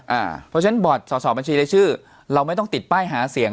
เพราะฉะนั้นบอร์ดสอบบัญชีรายชื่อเราไม่ต้องติดป้ายหาเสียง